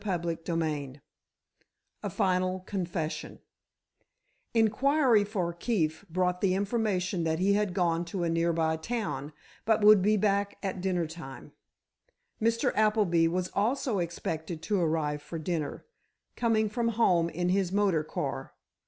CHAPTER XVIII A FINAL CONFESSION Inquiry for Keefe brought the information that he had gone to a nearby town, but would be back at dinner time. Mr. Appleby was also expected to arrive for dinner, coming from home in his motor car.